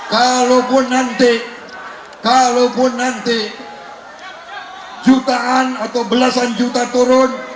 kalaupun nanti kalaupun nanti jutaan atau belasan juta turun